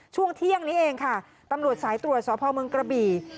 ช่วงเที่ยงนี้เองค่ะตำรวจสายตรวจสพเมืองกระบี่